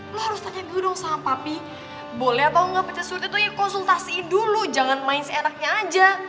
lo harus tanya dulu dong sama papi boleh apa enggak pecat surti tuh ya konsultasiin dulu jangan main seenaknya aja